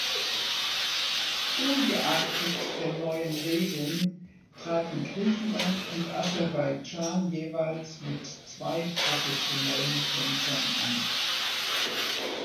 Ungeachtet der neuen Regeln traten Griechenland und Aserbaidschan jeweils mit zwei professionellen Tänzern an.